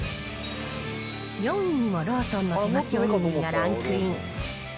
４位にもローソンの手巻おにぎりがランクイン。